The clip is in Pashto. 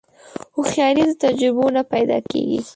هوښیاري د تجربو نه پیدا کېږي.